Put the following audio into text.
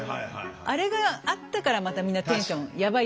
あれがあったからまたみんなテンションヤバい